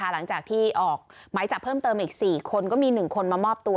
หลังจากที่ออกหมายจับเพิ่มเติมอีก๔คนก็มี๑คนมามอบตัว